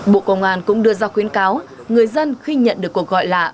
bộ công an cũng đưa ra khuyến cáo người dân khi nhận được cuộc gọi lạ